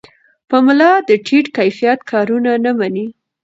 پملا د ټیټ کیفیت کارونه نه مني.